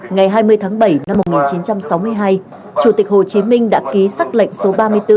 ngày hai mươi tháng bảy năm một nghìn chín trăm sáu mươi hai chủ tịch hồ chí minh đã ký xác lệnh số ba mươi bốn